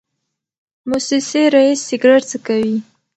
موسسې رییس سګرټ څکوي.